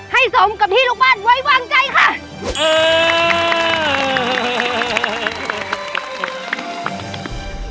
สมกับที่ลูกบ้านไว้วางใจค่ะ